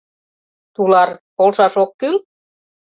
— Тулар, полшаш ок кӱл?